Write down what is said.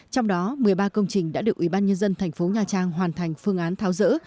trong đó một mươi ba công trình đã được ủy ban nhân dân thành phố nha trang hoàn thành phương án tháo dỡ